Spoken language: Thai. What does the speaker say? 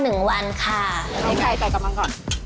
ให้ไข่แตกกับมันก่อนอย่าให้ไข่แดงแตกนะ